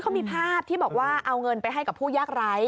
เขามีภาพที่บอกว่าเอาเงินไปให้กับผู้ยากไร้